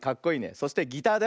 そしてギターだよ。